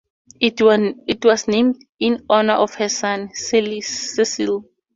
It was named in honour of her son, Cecil.